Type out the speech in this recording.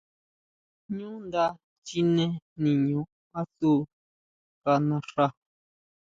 ʼÑú nda chine niño asu asu ka naxa.